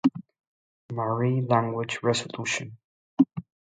Marie language resolution.